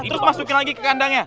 terus masukin lagi ke kandangnya